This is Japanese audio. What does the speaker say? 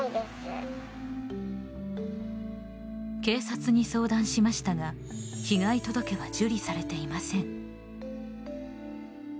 警察に相談しましたが被害届は受理されていません。